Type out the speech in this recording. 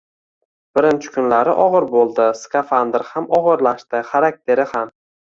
Birinchi kunlari og`ir bo`ldi, skafandr ham og`irlashdi, xarakteri ham